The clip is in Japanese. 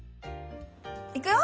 いくよ！